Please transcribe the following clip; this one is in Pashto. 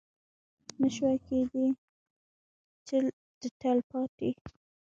نه شوای کېدی چې د تلپاتې